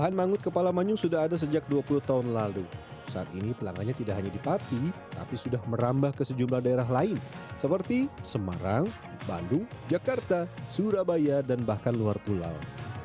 kalau kepala ibu jualnya gimana yang sudah di asap satuan atau